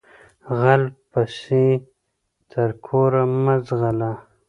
غل پسې تر کوره مه ځغلهٔ